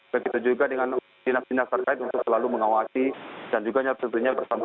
begitu juga dengan dinas dinas terkait untuk selalu mengawasi dan juga bersambung untuk pindah